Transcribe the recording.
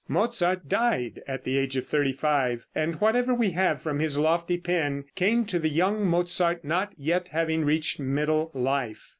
Mozart died at the age of thirty five, and whatever we have from his lofty pen came to the young Mozart, not yet having reached middle life.